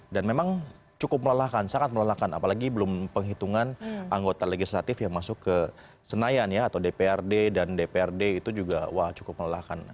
dan memang cukup melelahkan sangat melelahkan apalagi belum penghitungan anggota legislatif yang masuk ke senayan ya atau dprd dan dprd itu juga cukup melelahkan